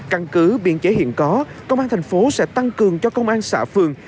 căn cứ biên chế hiện có công an thành phố sẽ tăng cường cho công an xã phường